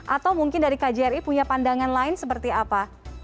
atau mungkin dari kjri punya pandangan lain seperti apa